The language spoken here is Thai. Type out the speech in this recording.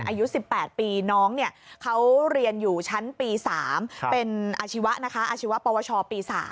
อายุ๑๘ปีน้องเขาเรียนอยู่ชั้นปี๓เป็นอาชีวะนะคะอาชีวปวชปี๓